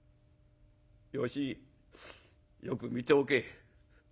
芳よく見ておけ。